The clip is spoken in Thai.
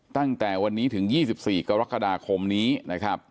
ตั้งแต่วันนี้ถึง๒๔กรกฎาคมนี้นะครับ